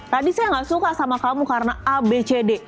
tadi saya gak suka sama kamu karena a b c d